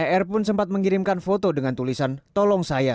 er pun sempat mengirimkan foto dengan tulisan